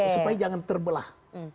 supaya jangan terbelah